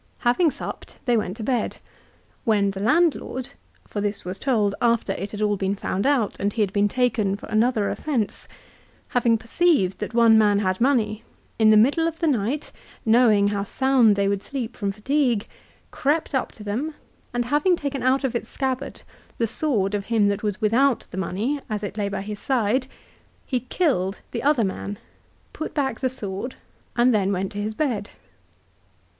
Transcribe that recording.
Having supped they went to bed ; when the landlord for this was told after it had all been found out and he had been taken for another offence, having perceived that one man had money, in the middle of .the night, knowing how sound they would sleep from fatigue, crept up to them, and having taken out of its scabbard the sword of him that was without the money as it lay by its side, he killed the other man, put back the sword, X 2 SOS LIFE OF CICERO. and then went to his bed.